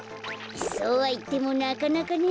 そうはいってもなかなかね。